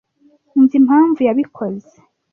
nzi impamvu yabikoze. (Inzira)